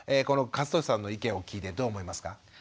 この和俊さんの意見を聞いてどう思いますか？